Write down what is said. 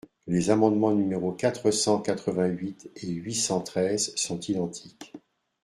Les amendements numéros quatre cent quatre-vingt-huit et huit cent treize sont identiques.